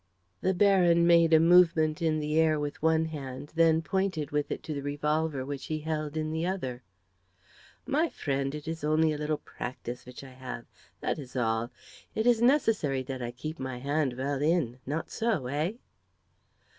The Baron made a movement in the air with one hand, then pointed with it to the revolver which he held in the other. "My friend, it is only a little practice which I have that is all! It is necessary that I keep my hand well in not so eh?"